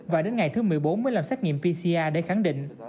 và đến ngày thứ một mươi bốn mới làm xét nghiệm pcr để khẳng định